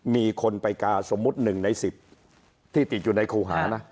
มีคนไปกาสมมุติ๑ใน๑๐ที่ติดอยู่ในครูหานะ